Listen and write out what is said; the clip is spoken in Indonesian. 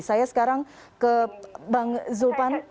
saya sekarang ke bang zulpan